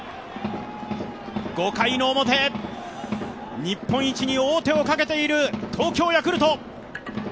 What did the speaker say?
５回表、日本一に王手をかけている東京ヤクルト。